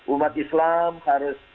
umat islam harus berpikir